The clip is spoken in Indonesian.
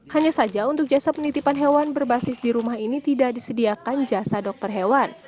hanya saja untuk jasa penitipan hewan berbasis di rumah ini tidak disediakan jasa dokter hewan